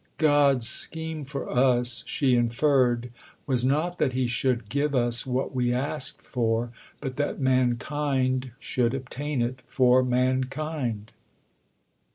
"God's scheme for us," she inferred, "was not that He should give us what we asked for, but that mankind should obtain it for mankind."